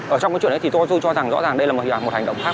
ở trong cái chuyện đấy thì tôi cho rằng rõ ràng đây là một hành động khác